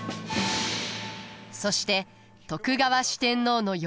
そして徳川四天王の４人目は。